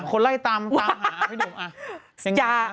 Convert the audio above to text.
คนไล่ตามหาพี่ดม